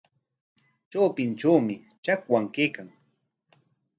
Taqay ishkay rumipa trawpintrawmi chakwan kaykan.